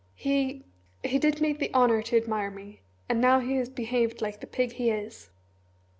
"He he did me the honour to admire me and now he has behaved like the pig he is."